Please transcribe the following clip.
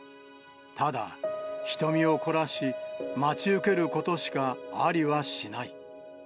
ただ、瞳を凝らし、待ち受けることしかありはしない。